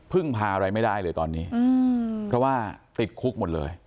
พาอะไรไม่ได้เลยตอนนี้เพราะว่าติดคุกหมดเลย